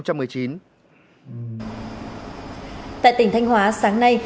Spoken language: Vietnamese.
tại tỉnh thanh hóa sáng nay